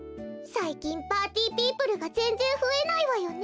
さいきんパーティーピープルがぜんぜんふえないわよね。